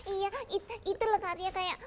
iya itu lah karya